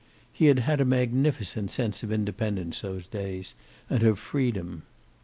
He had had a magnificent sense of independence those days, and of freedom.